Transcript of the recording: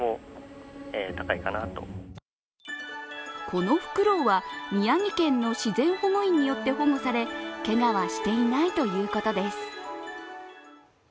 このふくろうは、宮城県の自然保護員によって保護されけがはしていないということです。